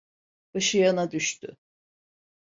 Başı yana düştü…